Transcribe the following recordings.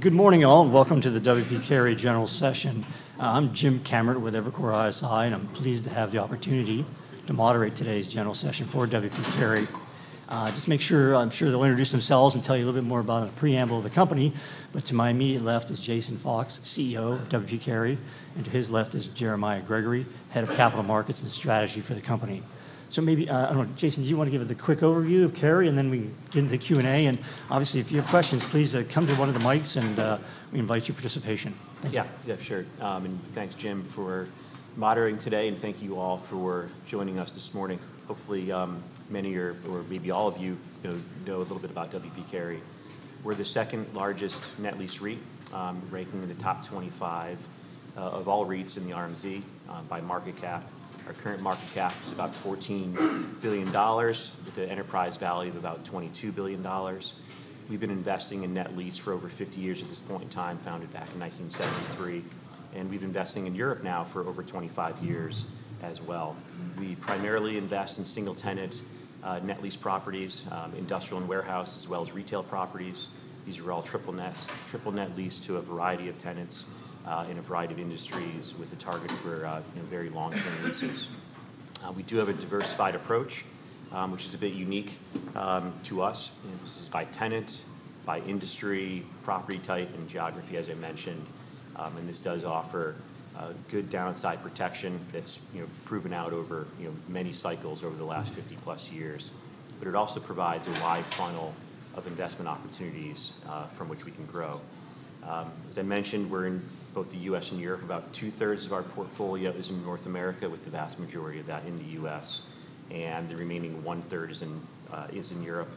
Good morning, all, and welcome to the W. P. Carey General Session. I'm Jim Cameron with Evercore ISI, and I'm pleased to have the opportunity to moderate today's General Session for W. P. Carey. Just to make sure, I'm sure they'll introduce themselves and tell you a little bit more about a preamble of the company. To my immediate left is Jason Fox, CEO of W. P. Carey, and to his left is Jeremiah Gregory, Head of Capital Markets and Strategy for the company. Maybe, I don't know, Jason, do you want to give a quick overview of Carey and then we can get into the Q&A? Obviously, if you have questions, please come to one of the mics and we invite your participation. Yeah, yeah, sure. Thanks, Jim, for moderating today, and thank you all for joining us this morning. Hopefully, many of you, or maybe all of you, know a little bit about W. P. Carey. We're the second largest net lease REIT, ranking in the top 25 of all REITs in the RMZ by market cap. Our current market cap is about $14 billion, with an enterprise value of about $22 billion. We've been investing in net lease for over 50 years at this point in time, founded back in 1973, and we've been investing in Europe now for over 25 years as well. We primarily invest in single-tenant net lease properties, industrial and warehouse, as well as retail properties. These are all triple-net lease to a variety of tenants in a variety of industries, with a target for very long-term leases. We do have a diversified approach, which is a bit unique to us. This is by tenant, by industry, property type, and geography, as I mentioned. This does offer good downside protection that has proven out over many cycles over the last 50-plus years. It also provides a wide funnel of investment opportunities from which we can grow. As I mentioned, we are in both the U.S. and Europe. About two-thirds of our portfolio is in North America, with the vast majority of that in the U.S., and the remaining one-third is in Europe.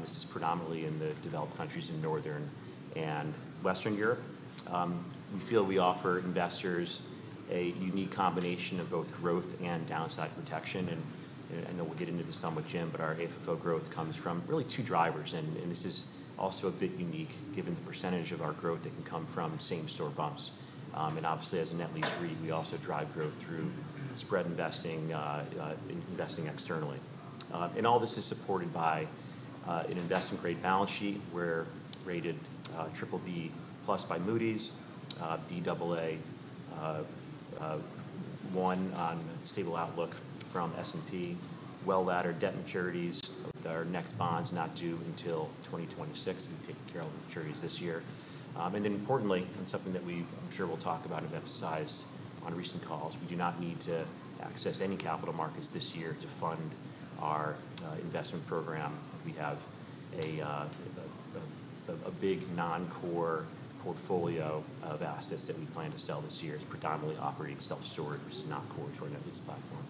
This is predominantly in the developed countries in Northern and Western Europe. We feel we offer investors a unique combination of both growth and downside protection. I know we'll get into this some with Jim, but our AFFO growth comes from really two drivers, and this is also a bit unique given the percentage of our growth that can come from same-store bumps. Obviously, as a net lease REIT, we also drive growth through spread investing, investing externally. All this is supported by an investment-grade balance sheet. We're rated BBB+ by S&P, Baa1 on stable outlook from Moody's, well-laddered debt maturities, our next bonds not due until 2026. We've taken care of the maturities this year. Importantly, and something that we've, I'm sure, we'll talk about and emphasized on recent calls, we do not need to access any capital markets this year to fund our investment program. We have a big non-core portfolio of assets that we plan to sell this year. It's predominantly operating self-storage, which is not core to our net lease platform.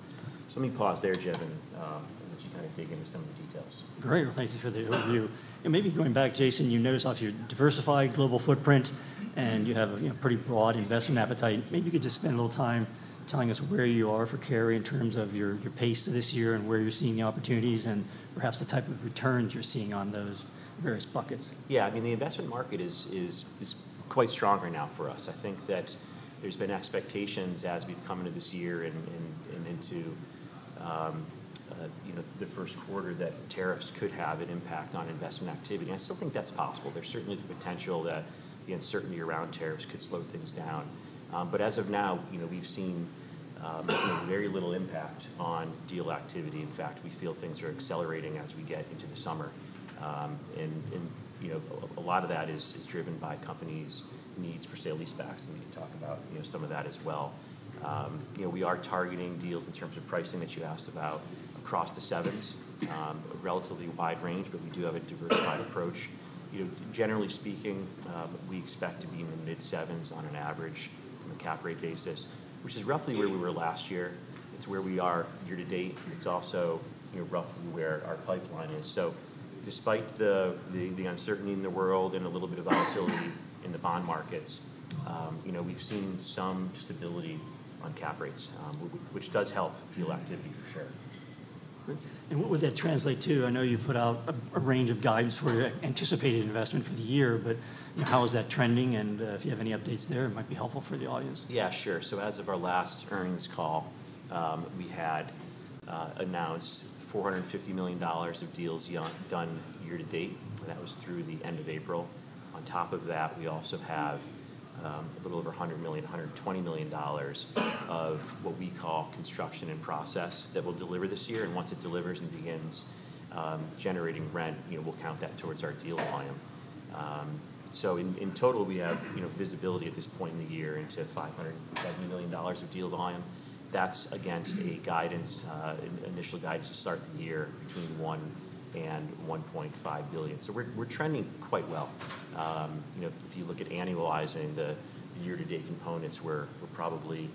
Let me pause there, Jim, and let you kind of dig into some of the details. Great. Thank you for the overview. Maybe going back, Jason, you notice obviously you're a diversified global footprint, and you have a pretty broad investment appetite. Maybe you could just spend a little time telling us where you are for Carey in terms of your pace this year and where you're seeing the opportunities and perhaps the type of returns you're seeing on those various buckets. Yeah, I mean, the investment market is quite strong right now for us. I think that there's been expectations as we've come into this year and into the first quarter that tariffs could have an impact on investment activity. I still think that's possible. There's certainly the potential that the uncertainty around tariffs could slow things down. As of now, we've seen very little impact on deal activity. In fact, we feel things are accelerating as we get into the summer. A lot of that is driven by companies' needs for sale-leasebacks, and we can talk about some of that as well. We are targeting deals in terms of pricing that you asked about across the sevens, a relatively wide range, but we do have a diversified approach. Generally speaking, we expect to be in the mid-sevens on an average cap rate basis, which is roughly where we were last year. It's where we are year to date. It's also roughly where our pipeline is. Despite the uncertainty in the world and a little bit of volatility in the bond markets, we've seen some stability on cap rates, which does help deal activity for sure. What would that translate to? I know you put out a range of guidance for anticipated investment for the year, but how is that trending? If you have any updates there, it might be helpful for the audience. Yeah, sure. As of our last earnings call, we had announced $450 million of deals done year to date, and that was through the end of April. On top of that, we also have a little over $100 million, $120 million of what we call construction in process that we will deliver this year. Once it delivers and begins generating rent, we will count that towards our deal volume. In total, we have visibility at this point in the year into $570 million of deal volume. That is against a guidance, initial guidance to start the year between $1 billion and $1.5 billion. We are trending quite well. If you look at annualizing the year-to-date components, we are probably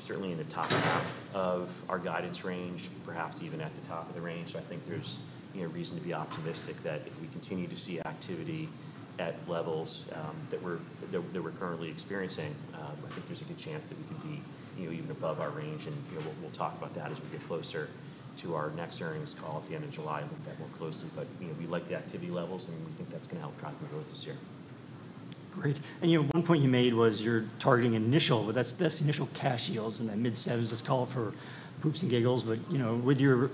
certainly in the top half of our guidance range, perhaps even at the top of the range. I think there's reason to be optimistic that if we continue to see activity at levels that we're currently experiencing, I think there's a good chance that we can be even above our range. We will talk about that as we get closer to our next earnings call at the end of July and look at that more closely. We like the activity levels, and we think that's going to help drive the growth this year. Great. One point you made was you're targeting initial, that's initial cash yields in the mid-sevens. Let's call it for poops and giggles. With your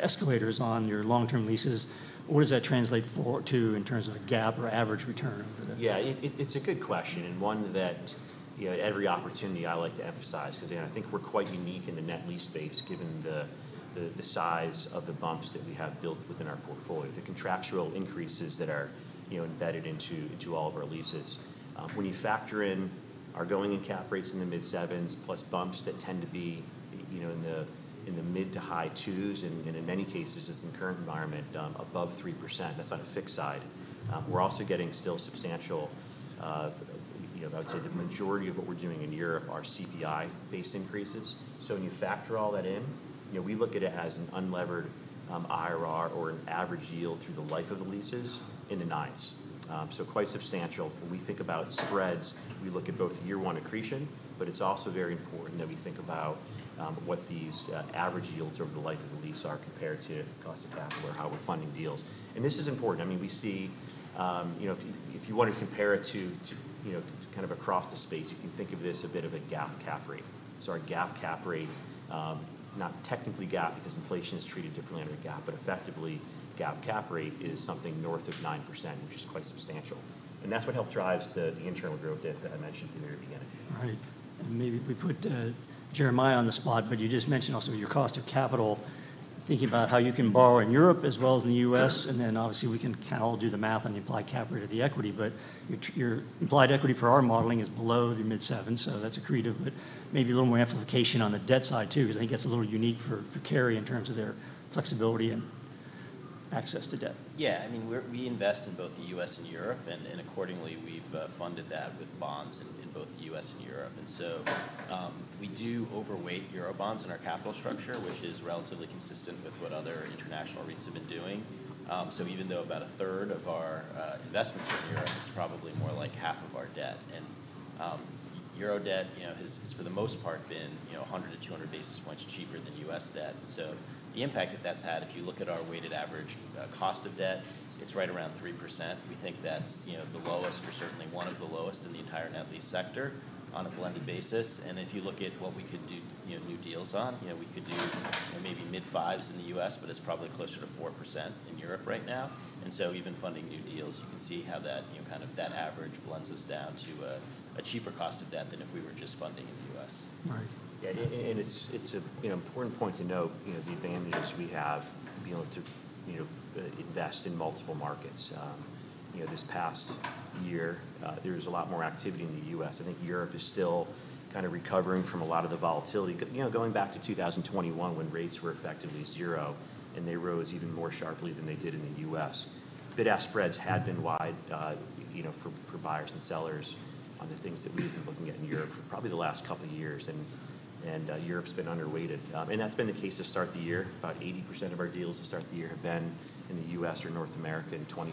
escalators on your long-term leases, what does that translate to in terms of a gap or average return? Yeah, it's a good question and one that every opportunity I like to emphasize because I think we're quite unique in the net lease space given the size of the bumps that we have built within our portfolio, the contractual increases that are embedded into all of our leases. When you factor in our going in cap rates in the mid-7s plus bumps that tend to be in the mid to high 2s, and in many cases, as in the current environment, above 3%, that's on a fixed side. We're also getting still substantial, I would say the majority of what we're doing in Europe are CPI-based increases. When you factor all that in, we look at it as an unlevered IRR or an average yield through the life of the leases in the 9s. Quite substantial. When we think about spreads, we look at both year-one accretion, but it's also very important that we think about what these average yields over the life of the lease are compared to cost of capital or how we're funding deals. This is important. I mean, we see if you want to compare it to kind of across the space, you can think of this a bit of a gap cap rate. Our gap cap rate, not technically gap because inflation is treated differently under gap, but effectively gap cap rate is something north of 9%, which is quite substantial. That's what helped drive the internal growth that I mentioned at the very beginning. Right. Maybe we put Jeremiah on the spot, but you just mentioned also your cost of capital, thinking about how you can borrow in Europe as well as in the U.S. Obviously we can kind of all do the math on the implied cap rate of the equity, but your implied equity for our modeling is below the mid-sevens. That is accretive, but maybe a little more amplification on the debt side too because I think that is a little unique for Carey in terms of their flexibility and access to debt. Yeah, I mean, we invest in both the U.S. and Europe, and accordingly we've funded that with bonds in both the U.S. and Europe. We do overweight euro bonds in our capital structure, which is relatively consistent with what other international REITs have been doing. Even though about a third of our investments are in Europe, it's probably more like half of our debt. Euro debt has for the most part been 100-200 basis points cheaper than U.S. debt. The impact that that's had, if you look at our weighted average cost of debt, it's right around 3%. We think that's the lowest or certainly one of the lowest in the entire net lease sector on a blended basis. If you look at what we could do new deals on, we could do maybe mid-fives in the U.S., but it's probably closer to 4% in Europe right now. Even funding new deals, you can see how that kind of average blends us down to a cheaper cost of debt than if we were just funding in the U.S. Right. Yeah, and it's an important point to note the advantages we have to be able to invest in multiple markets. This past year, there was a lot more activity in the U.S. I think Europe is still kind of recovering from a lot of the volatility. Going back to 2021 when rates were effectively zero and they rose even more sharply than they did in the U.S., bid-ask spreads had been wide for buyers and sellers on the things that we've been looking at in Europe for probably the last couple of years, and Europe has been underweighted. That has been the case to start the year. About 80% of our deals to start the year have been in the U.S. or North America and 20%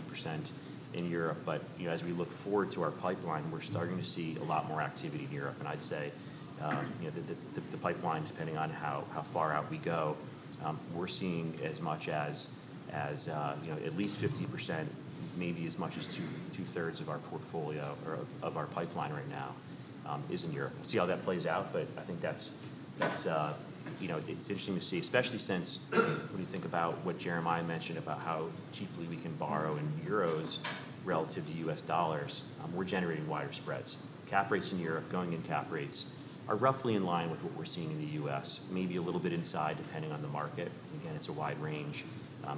in Europe. As we look forward to our pipeline, we're starting to see a lot more activity in Europe. I'd say the pipeline, depending on how far out we go, we're seeing as much as at least 50%, maybe as much as two-thirds of our portfolio or of our pipeline right now is in Europe. We'll see how that plays out, but I think that's interesting to see, especially since when you think about what Jeremiah mentioned about how cheaply we can borrow in euros relative to U.S. dollars, we're generating wider spreads. Cap rates in Europe, going in cap rates are roughly in line with what we're seeing in the U.S., maybe a little bit inside depending on the market. Again, it's a wide range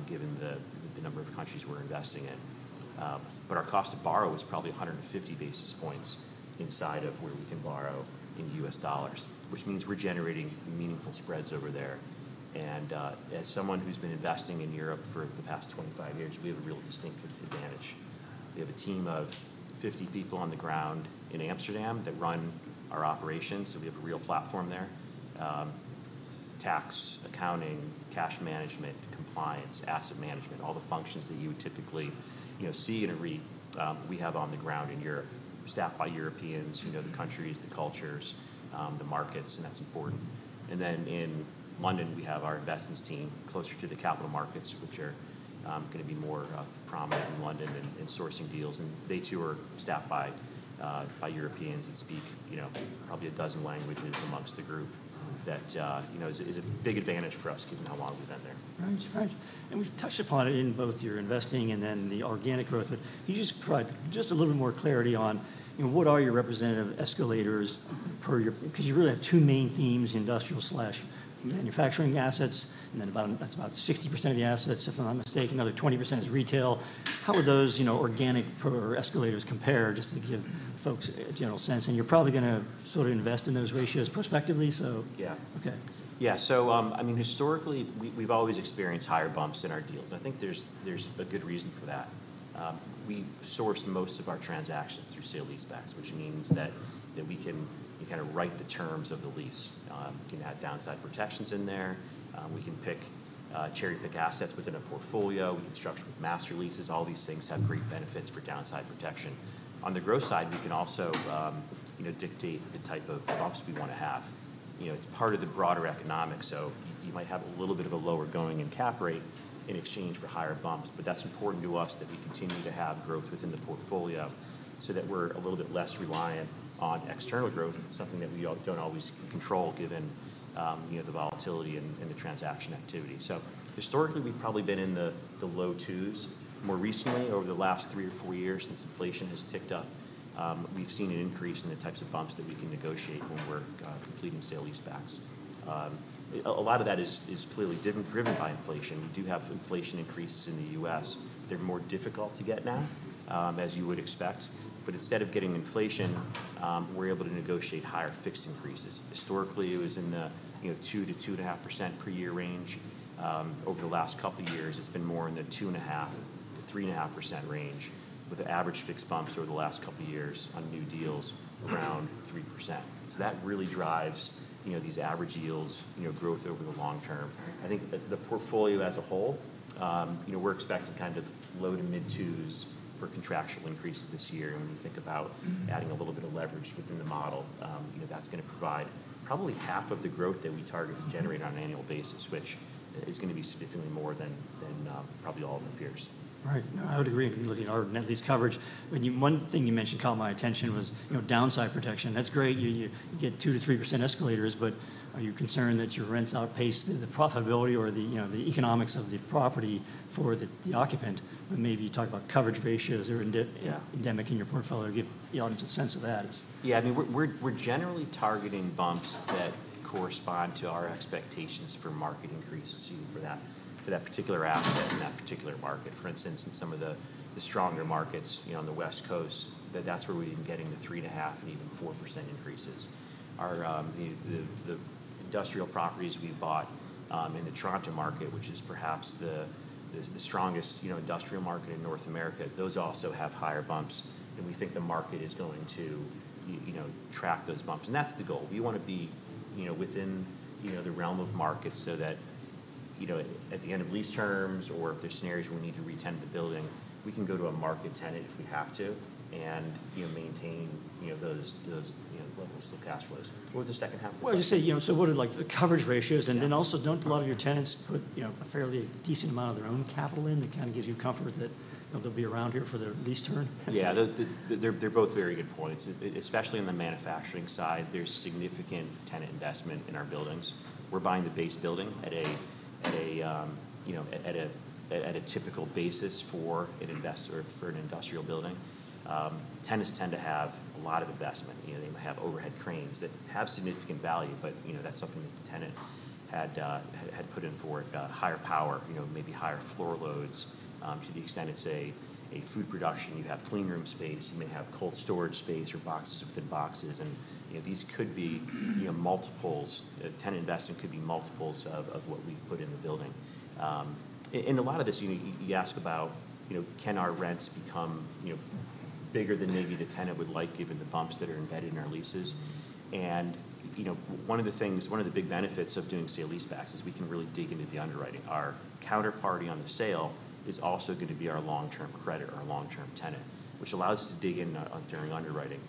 given the number of countries we're investing in. Our cost of borrow is probably 150 basis points inside of where we can borrow in U.S. dollars, which means we're generating meaningful spreads over there. As someone who's been investing in Europe for the past 25 years, we have a real distinctive advantage. We have a team of 50 people on the ground in Amsterdam that run our operations. We have a real platform there: tax, accounting, cash management, compliance, asset management, all the functions that you would typically see in a REIT we have on the ground in Europe. We're staffed by Europeans who know the countries, the cultures, the markets, and that's important. In London, we have our investments team closer to the capital markets, which are going to be more prominent in London and sourcing deals. They too are staffed by Europeans and speak probably a dozen languages amongst the group. That is a big advantage for us given how long we've been there. Right. And we've touched upon it in both your investing and then the organic growth, but can you just provide just a little bit more clarity on what are your representative escalators per your because you really have two main themes, industrial/manufacturing assets, and then that's about 60% of the assets, if I'm not mistaken, another 20% is retail. How would those organic or escalators compare just to give folks a general sense? And you're probably going to sort of invest in those ratios prospectively, so yeah. Yeah. I mean, historically, we've always experienced higher bumps in our deals. I think there's a good reason for that. We source most of our transactions through sale-leasebacks, which means that we can kind of write the terms of the lease. We can add downside protections in there. We can cherry-pick assets within a portfolio. We can structure with master leases. All these things have great benefits for downside protection. On the growth side, we can also dictate the type of bumps we want to have. It's part of the broader economic. You might have a little bit of a lower going in cap rate in exchange for higher bumps, but that's important to us that we continue to have growth within the portfolio so that we're a little bit less reliant on external growth, something that we don't always control given the volatility and the transaction activity. Historically, we've probably been in the low twos. More recently, over the last three or four years since inflation has ticked up, we've seen an increase in the types of bumps that we can negotiate when we're completing sale-leasebacks. A lot of that is clearly driven by inflation. We do have inflation increases in the U.S. They're more difficult to get now, as you would expect. Instead of getting inflation, we're able to negotiate higher fixed increases. Historically, it was in the 2%-2.5% per year range. Over the last couple of years, it's been more in the 2.5%-3.5% range with average fixed bumps over the last couple of years on new deals around 3%. That really drives these average yields growth over the long term. I think the portfolio as a whole, we're expecting kind of low to mid-2% for contractual increases this year. When you think about adding a little bit of leverage within the model, that's going to provide probably half of the growth that we target to generate on an annual basis, which is going to be significantly more than probably all of my peers. Right. I would agree. Looking at our net lease coverage, one thing you mentioned caught my attention was downside protection. That's great. You get 2%-3% escalators, but are you concerned that your rents outpace the profitability or the economics of the property for the occupant? Maybe you talk about coverage ratios or endemic in your portfolio. Give the audience a sense of that. Yeah, I mean, we're generally targeting bumps that correspond to our expectations for market increases for that particular asset in that particular market. For instance, in some of the stronger markets on the West Coast, that's where we've been getting the 3.5% and even 4% increases. The industrial properties we bought in the Toronto market, which is perhaps the strongest industrial market in North America, those also have higher bumps. We think the market is going to track those bumps. That's the goal. We want to be within the realm of markets so that at the end of lease terms or if there's scenarios where we need to retend the building, we can go to a market tenant if we have to and maintain those levels of cash flows. What was the second half? I was just saying, so what are the coverage ratios? And then also don't a lot of your tenants put a fairly decent amount of their own capital in that kind of gives you comfort that they'll be around here for their lease term? Yeah, they're both very good points, especially on the manufacturing side. There's significant tenant investment in our buildings. We're buying the base building at a typical basis for an investor for an industrial building. Tenants tend to have a lot of investment. They may have overhead cranes that have significant value, but that's something that the tenant had put in for higher power, maybe higher floor loads to the extent it's a food production. You have clean room space. You may have cold storage space or boxes within boxes. These could be multiples. Tenant investment could be multiples of what we put in the building. A lot of this, you ask about can our rents become bigger than maybe the tenant would like given the bumps that are embedded in our leases. One of the things, one of the big benefits of doing sale-leasebacks is we can really dig into the underwriting. Our counterparty on the sale is also going to be our long-term creditor, our long-term tenant, which allows us to dig in during underwriting.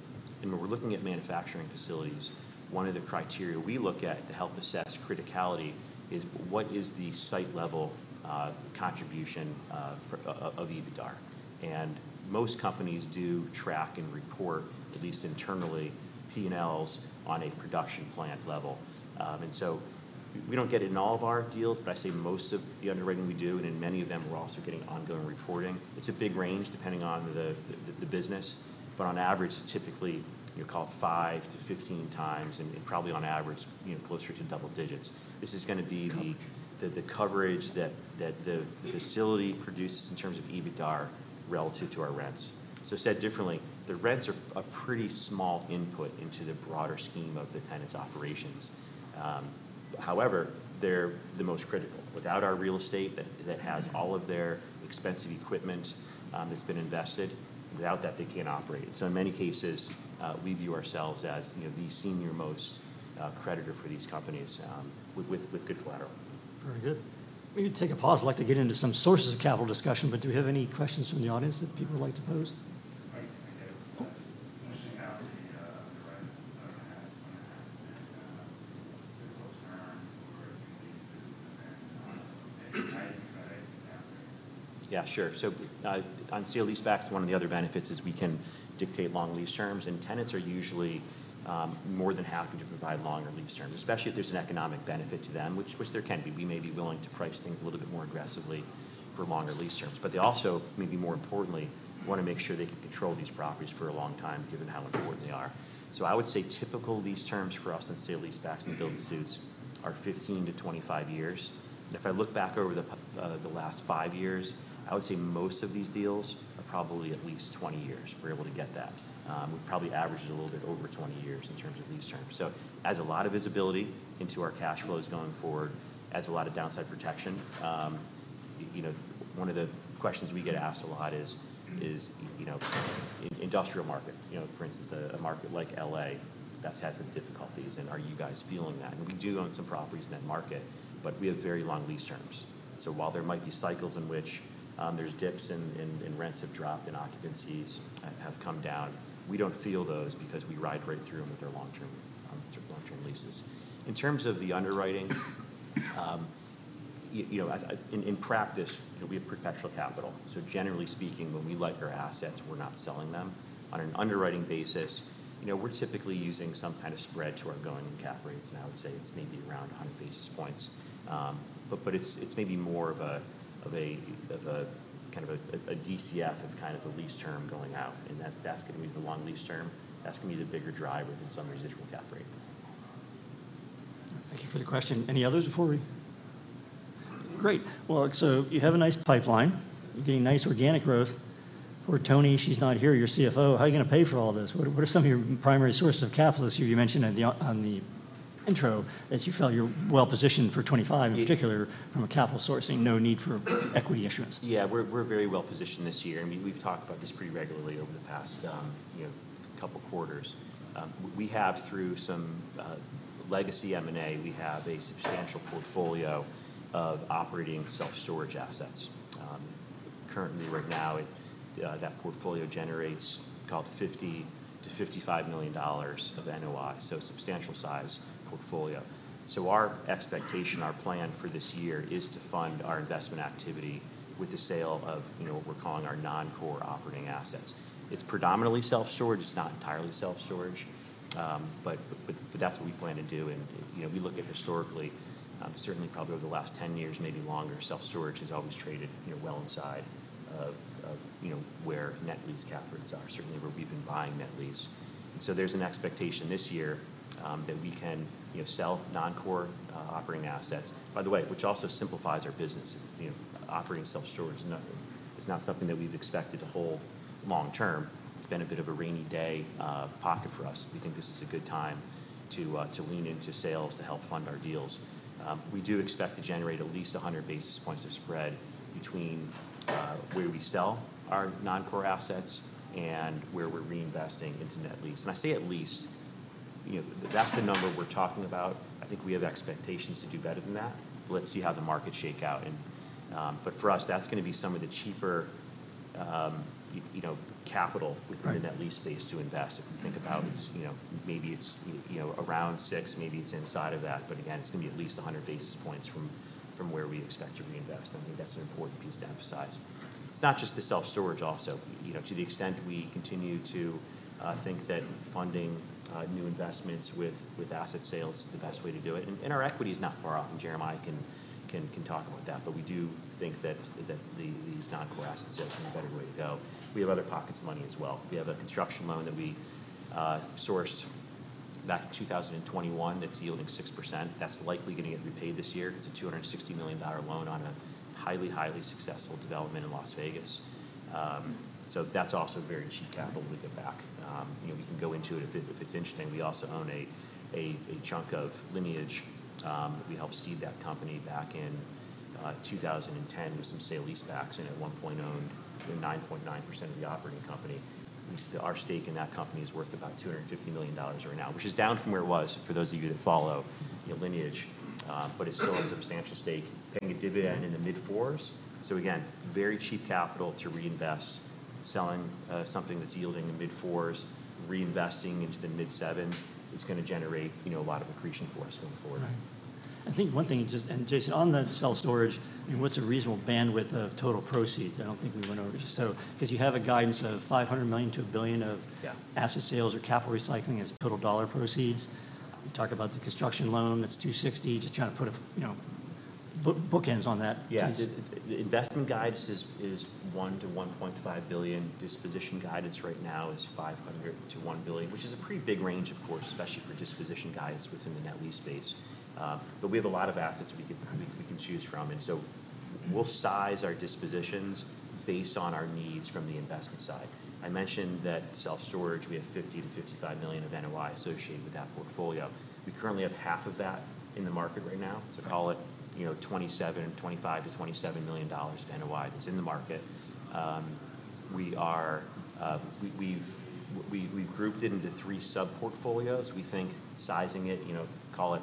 When we're looking at manufacturing facilities, one of the criteria we look at to help assess criticality is what is the site-level contribution of EBITDA. Most companies do track and report, at least internally, P&Ls on a production plant level. We do not get it in all of our deals, but I say most of the underwriting we do, and in many of them, we're also getting ongoing reporting. It's a big range depending on the business, but on average, it's typically called 5-15 times and probably on average closer to double digits. This is going to be the coverage that the facility produces in terms of EBITDA relative to our rents. Said differently, the rents are a pretty small input into the broader scheme of the tenant's operations. However, they are the most critical. Without our real estate that has all of their expensive equipment that has been invested, without that, they cannot operate. In many cases, we view ourselves as the senior most creditor for these companies with good collateral. Very good. We're going to take a pause. I'd like to get into some sources of capital discussion, but do we have any questions from the audience that people would like to pose? I guess. Interesting how the rents are 1.5%, 2.5%, typical term for a few leases, and then maybe 95% after lease. Yeah, sure. On sale-leasebacks, one of the other benefits is we can dictate long lease terms. Tenants are usually more than happy to provide longer lease terms, especially if there is an economic benefit to them, which there can be. We may be willing to price things a little bit more aggressively for longer lease terms, but they also, maybe more importantly, want to make sure they can control these properties for a long time given how important they are. I would say typical lease terms for us on sale-leasebacks and build-to-suits are 15-25 years. If I look back over the last five years, I would say most of these deals are probably at least 20 years. We are able to get that. We have probably averaged a little bit over 20 years in terms of lease terms. As a lot of visibility into our cash flows going forward, as a lot of downside protection, one of the questions we get asked a lot is industrial market. For instance, a market like L.A. that has some difficulties, are you guys feeling that? We do own some properties in that market, but we have very long lease terms. While there might be cycles in which there are dips and rents have dropped and occupancies have come down, we do not feel those because we ride right through them with our long-term leases. In terms of the underwriting, in practice, we have perpetual capital. Generally speaking, when we like our assets, we are not selling them. On an underwriting basis, we are typically using some kind of spread to our going in cap rates, and I would say it is maybe around 100 basis points. It's maybe more of a kind of a DCF of kind of the lease term going out, and that's going to be the long lease term. That's going to be the bigger driver than some residual cap rate. Thank you for the question. Any others before we? Great. You have a nice pipeline. You're getting nice organic growth. For Toni, she's not here, your CFO, how are you going to pay for all this? What are some of your primary sources of capital this year? You mentioned on the intro that you felt you're well positioned for 2025 in particular from a capital sourcing, no need for equity issuance. Yeah, we're very well positioned this year. I mean, we've talked about this pretty regularly over the past couple of quarters. We have, through some legacy M&A, a substantial portfolio of operating self-storage assets. Currently, right now, that portfolio generates, call it $50 million-$55 million of NOI, so a substantial size portfolio. Our expectation, our plan for this year is to fund our investment activity with the sale of what we're calling our non-core operating assets. It's predominantly self-storage. It's not entirely self-storage, but that's what we plan to do. We look at historically, certainly probably over the last 10 years, maybe longer, self-storage has always traded well inside of where net lease cap rates are, certainly where we've been buying net lease. There is an expectation this year that we can sell non-core operating assets. By the way, which also simplifies our business, operating self-storage is not something that we've expected to hold long term. It's been a bit of a rainy day pocket for us. We think this is a good time to lean into sales to help fund our deals. We do expect to generate at least 100 basis points of spread between where we sell our non-core assets and where we're reinvesting into net lease. And I say at least, that's the number we're talking about. I think we have expectations to do better than that. Let's see how the markets shake out. For us, that's going to be some of the cheaper capital within the net lease space to invest. If we think about it, maybe it's around 6, maybe it's inside of that. Again, it's going to be at least 100 basis points from where we expect to reinvest. I think that's an important piece to emphasize. It's not just the self-storage also. To the extent we continue to think that funding new investments with asset sales is the best way to do it, and our equity is not far off, and Jeremiah can talk about that, but we do think that these non-core asset sales are a better way to go. We have other pockets of money as well. We have a construction loan that we sourced back in 2021 that's yielding 6%. That's likely going to get repaid this year. It's a $260 million loan on a highly, highly successful development in Las Vegas. That's also very cheap capital to get back. We can go into it if it's interesting. We also own a chunk of Lineage. We helped seed that company back in 2010 with some sale-leasebacks and at one point owned 9.9% of the operating company. Our stake in that company is worth about $250 million right now, which is down from where it was for those of you that follow Lineage, but it's still a substantial stake. Paying a dividend in the mid-4%. Again, very cheap capital to reinvest. Selling something that's yielding in the mid-4%, reinvesting into the mid-7%, it's going to generate a lot of accretion for us going forward. I think one thing, and Jason, on the self-storage, what's a reasonable bandwidth of total proceeds? I don't think we went over just so because you have a guidance of $500 million-$1 billion of asset sales or capital recycling as total dollar proceeds. You talk about the construction loan, it's $260 million, just trying to put bookends on that piece. Yeah, investment guidance is $1 billion-$1.5 billion. Disposition guidance right now is $500 million-$1 billion, which is a pretty big range, of course, especially for disposition guidance within the net lease space. We have a lot of assets we can choose from. We will size our dispositions based on our needs from the investment side. I mentioned that self-storage, we have $50 million-$55 million of NOI associated with that portfolio. We currently have half of that in the market right now. Call it $25 million-$27 million of NOI that is in the market. We have grouped it into three sub-portfolios. We think sizing it, call it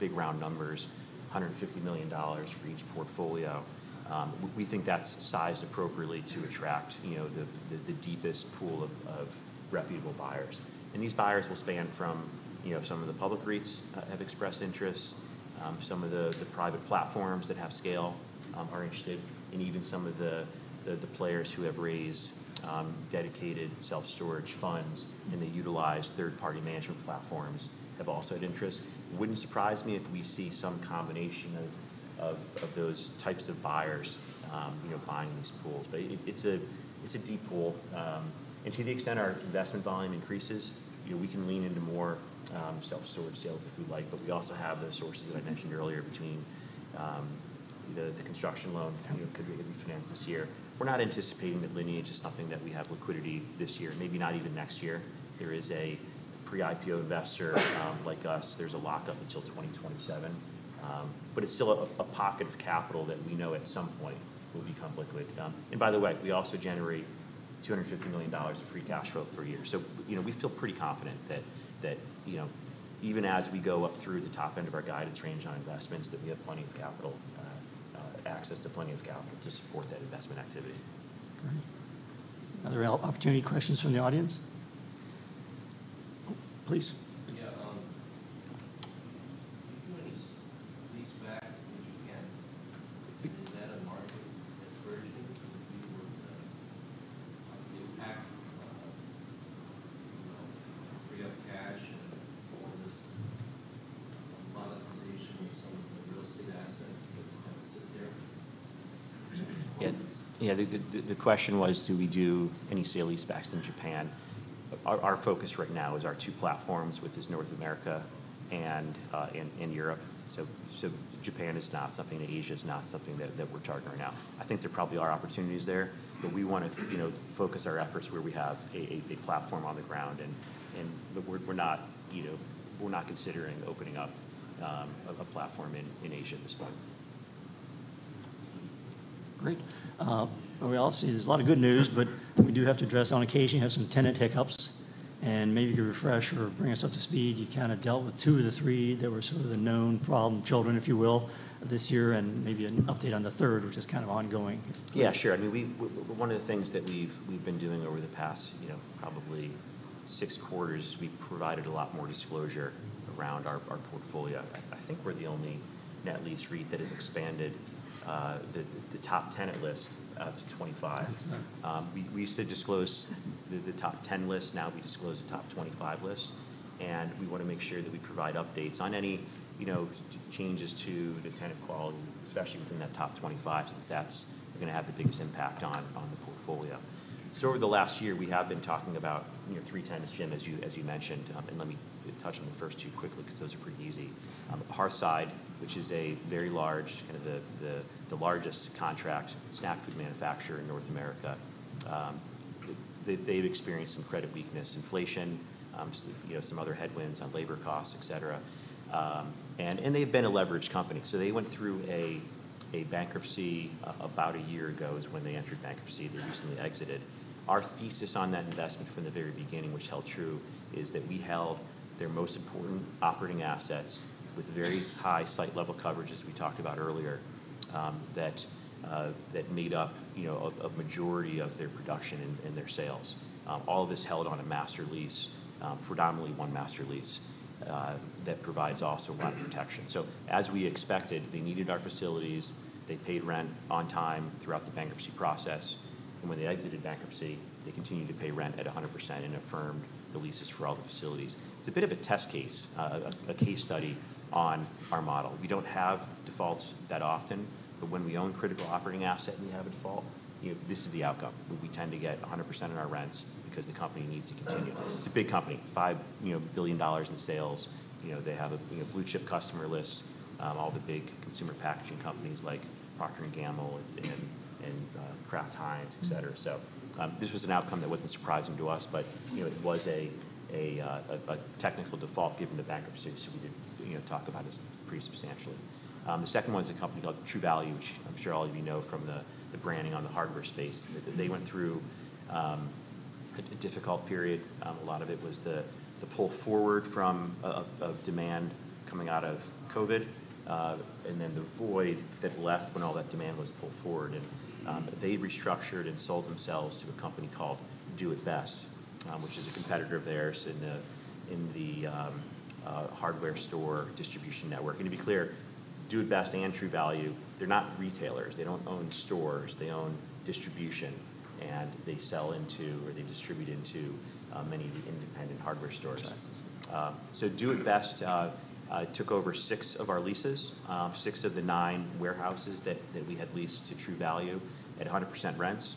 big round numbers, $150 million for each portfolio. We think that is sized appropriately to attract the deepest pool of reputable buyers. These buyers will span from some of the public REITs have expressed interest. Some of the private platforms that have scale are interested in even some of the players who have raised dedicated self-storage funds and they utilize third-party management platforms have also had interest. It would not surprise me if we see some combination of those types of buyers buying these pools. It is a deep pool. To the extent our investment volume increases, we can lean into more self-storage sales if we like. We also have those sources that I mentioned earlier between the construction loan that could be refinanced this year. We are not anticipating that Lineage is something that we have liquidity this year, maybe not even next year. There is a pre-IPO investor like us. There is a lockup until 2027. It is still a pocket of capital that we know at some point will become liquid. By the way, we also generate $250 million of free cash flow per year. We feel pretty confident that even as we go up through the top end of our guidance range on investments, we have plenty of capital, access to plenty of capital to support that investment activity. Great. Other opportunity questions from the audience? Please. Yeah. When you say lease back, would you get? Is that a market that's urgent? Would you impact free up cash or this monetization of some of the real estate assets that kind of sit there? Yeah. The question was, do we do any sale-leasebacks in Japan? Our focus right now is our two platforms with North America and Europe. Japan is not something, and Asia is not something that we're targeting right now. I think there probably are opportunities there, but we want to focus our efforts where we have a platform on the ground. We're not considering opening up a platform in Asia at this point. Great. We all see there's a lot of good news, but we do have to address on occasion you have some tenant hiccups. Maybe you could refresh or bring us up to speed. You kind of dealt with two of the three that were sort of the known problem children, if you will, this year, and maybe an update on the third, which is kind of ongoing. Yeah, sure. I mean, one of the things that we've been doing over the past probably six quarters is we've provided a lot more disclosure around our portfolio. I think we're the only net lease REIT that has expanded the top tenant list to 25. We used to disclose the top 10 list. Now we disclose the top 25 list. We want to make sure that we provide updates on any changes to the tenant quality, especially within that top 25, since that's going to have the biggest impact on the portfolio. Over the last year, we have been talking about three tenants, Jim, as you mentioned. Let me touch on the first two quickly because those are pretty easy. The Parkside, which is a very large, kind of the largest contract snack food manufacturer in North America, they've experienced some credit weakness, inflation, some other headwinds on labor costs, etc. They've been a leveraged company. They went through a bankruptcy about a year ago is when they entered bankruptcy. They recently exited. Our thesis on that investment from the very beginning, which held true, is that we held their most important operating assets with very high site-level coverage, as we talked about earlier, that made up a majority of their production and their sales. All of this held on a master lease, predominantly one master lease, that provides also rent protection. As we expected, they needed our facilities. They paid rent on time throughout the bankruptcy process. When they exited bankruptcy, they continued to pay rent at 100% and affirmed the leases for all the facilities. It is a bit of a test case, a case study on our model. We do not have defaults that often, but when we own a critical operating asset and we have a default, this is the outcome. We tend to get 100% of our rents because the company needs to continue. It is a big company, $5 billion in sales. They have a blue-chip customer list, all the big consumer packaging companies like Procter & Gamble and Kraft Heinz, etc. This was an outcome that was not surprising to us, but it was a technical default given the bankruptcy, so we did not talk about it pretty substantially. The second one is a company called True Value, which I am sure all of you know from the branding on the hardware space. They went through a difficult period. A lot of it was the pull forward from demand coming out of COVID and then the void that left when all that demand was pulled forward. They restructured and sold themselves to a company called Do It Best, which is a competitor of theirs in the hardware store distribution network. To be clear, Do It Best and True Value, they're not retailers. They do not own stores. They own distribution, and they sell into or they distribute into many of the independent hardware stores. Do It Best took over six of our leases, six of the nine warehouses that we had leased to True Value at 100% rents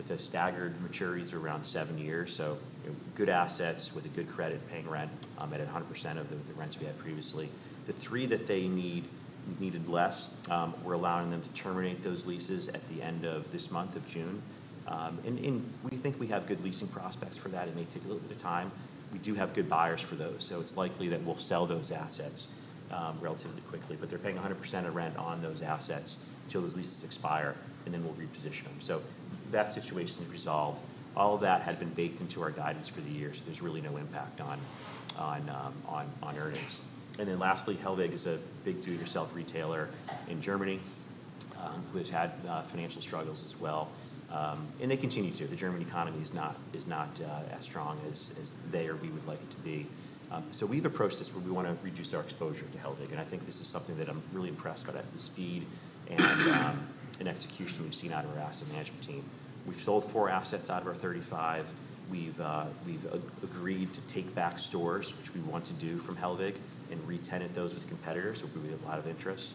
with a staggered maturity of around seven years. Good assets with a good credit paying rent at 100% of the rents we had previously. The three that they needed less, we're allowing them to terminate those leases at the end of this month of June. We think we have good leasing prospects for that. It may take a little bit of time. We do have good buyers for those. It is likely that we'll sell those assets relatively quickly, but they're paying 100% of rent on those assets until those leases expire, and then we'll reposition them. That situation is resolved. All of that had been baked into our guidance for the year, so there's really no impact on earnings. Lastly, Hellweg is a big do-it-yourself retailer in Germany who has had financial struggles as well. They continue to. The German economy is not as strong as they or we would like it to be. We have approached this where we want to reduce our exposure to Hellweg. I think this is something that I'm really impressed about at the speed and execution we've seen out of our asset management team. We've sold four assets out of our 35. We've agreed to take back stores, which we want to do from Hellweg, and re-tenant those with competitors who will be of a lot of interest.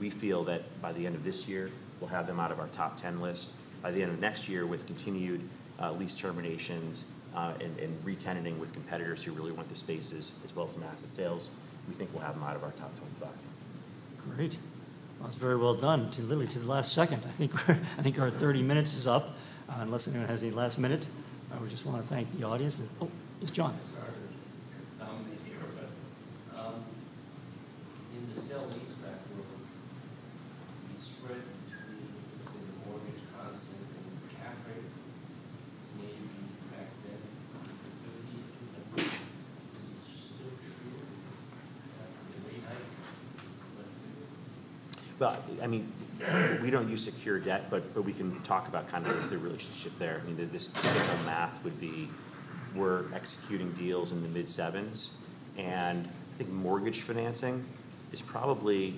We feel that by the end of this year, we'll have them out of our top 10 list. By the end of next year, with continued lease terminations and re-tenanting with competitors who really want the spaces as well as some asset sales, we think we'll have them out of our top 25. Great. That's very well done to Lily to the last second. I think our 30 minutes is up unless anyone has any last minute. I would just want to thank the audience. Oh, it's John. Sorry. I'm in Europe. In the sale-leaseback log, the spread between the mortgage cost and the cap rate may be back then under 50. Is it still true that the late hike left people? I mean, we do not use secured debt, but we can talk about kind of the relationship there. I mean, the typical math would be we are executing deals in the mid-sevens. I think mortgage financing is probably,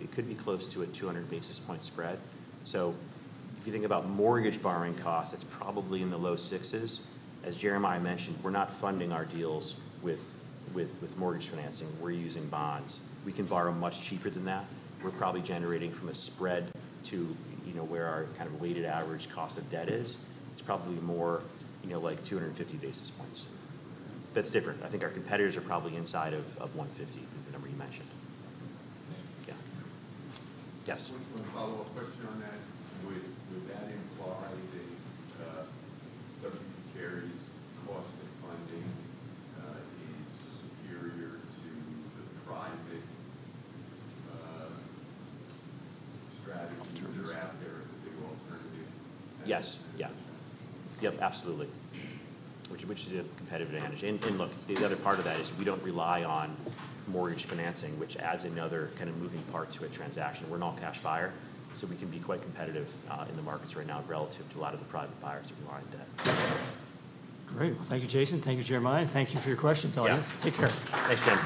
it could be close to a 200 basis point spread. If you think about mortgage borrowing costs, it is probably in the low sixes. As Jeremiah mentioned, we are not funding our deals with mortgage financing. We are using bonds. We can borrow much cheaper than that. We are probably generating from a spread to where our kind of weighted average cost of debt is. It is probably more like 250 basis points. That is different. I think our competitors are probably inside of 150, the number you mentioned. Yes. One follow-up question on that. With that in play, the W. P. Carey's cost of funding is superior to the private strategy you have there as a big alternative. Yes. Yeah. Yep, absolutely. Which is a competitive advantage. Look, the other part of that is we do not rely on mortgage financing, which adds another kind of moving part to a transaction. We are an all-cash buyer, so we can be quite competitive in the markets right now relative to a lot of the private buyers that we are in debt. Great. Thank you, Jason. Thank you, Jeremiah. And thank you for your questions, audience. Take care. Thanks, Jim.